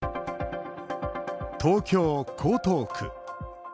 東京・江東区。